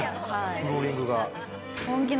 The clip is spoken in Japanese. フローリングが。